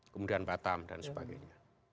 kemudian batam dan sebagainya